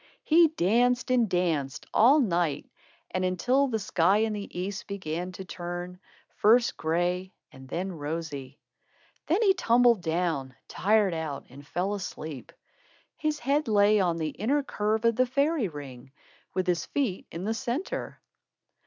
He danced and danced, all night and until the sky in the east began to turn, first gray and then rosy. Then he tumbled down, tired out, and fell asleep. His head lay on the inner curve of the fairy ring, with his feet in the centre.